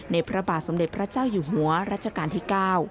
พระบาทสมเด็จพระเจ้าอยู่หัวรัชกาลที่๙